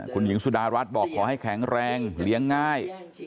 คุณหญิงสุดารัฐบอกขอให้แข็งแรงเลี้ยงง่าย